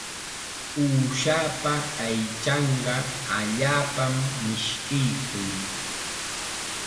Uushapa aychanqa allaapam mishkiykun.